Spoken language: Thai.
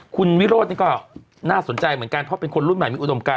คุณวิโรธนี่ก็น่าสนใจเหมือนกันเพราะเป็นคนรุ่นใหม่มีอุดมการ